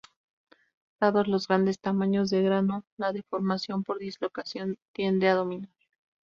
Dados los grandes tamaños de grano, la deformación por dislocación tiende a dominar.